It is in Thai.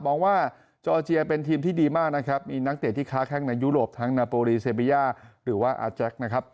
มองว่าเจ้าอเจียเป็นทีมที่ดีมากนะครับมีนักเตรียมที่ค้าแค่ในยุโรปทั้งนาโปรลีเซเบียหรือว่าอาจารย์นะครับ